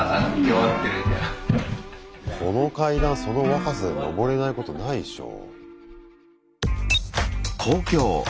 この階段その若さで上れないことないっしょ。